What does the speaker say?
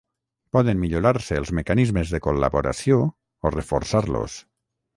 poden millorar-se els mecanismes de col·laboració o reforçar-los